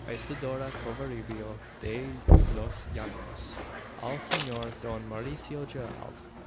"Isidora Covarubio De Los Llanos. "Al Senor Don Mauricio Gerald."